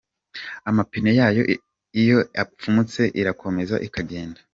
Amapine yayo iyo apfumutse irakomeza ikagenda.